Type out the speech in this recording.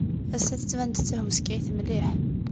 Ass-a, tettban-d d tahuskayt mliḥ.